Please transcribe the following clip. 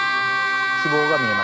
希望が見えました。